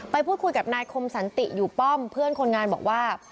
ไปพูดคุยกับนายคมสันติอยู่ป้อมเพื่อนคนงานบอกว่า